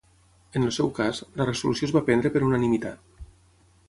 En el seu cas, la resolució es va prendre per unanimitat.